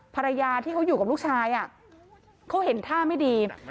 ภรรยาที่เขาอยู่กับลูกชายเขาเห็นท่าไม่ดี